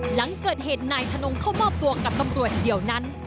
หลังเกิดเหตุนายทนงเข้ามอบตัวกับตำรวจเดี๋ยวนั้น